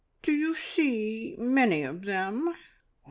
"Do you see many of them?"